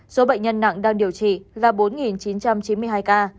số bệnh nhân nặng đang điều trị là bốn chín trăm chín mươi hai ca